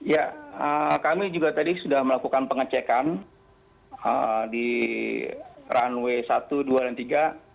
ya kami juga tadi sudah melakukan pengecekan di runway satu dua dan tiga